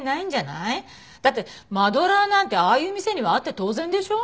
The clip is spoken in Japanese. だってマドラーなんてああいう店にはあって当然でしょ？